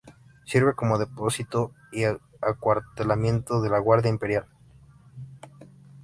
Sirve como depósito, y acuartelamiento de la Guardia imperial.